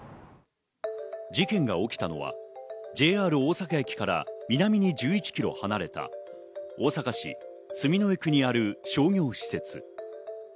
事件が起きたのはＪＲ大阪駅から南に１１ｋｍ離れた大阪市住之江区にある商業施設。